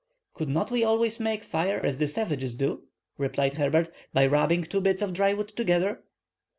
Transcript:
"Could not we always make fire as the savages do," replied Herbert, "by rubbing two bits of dry wood together?"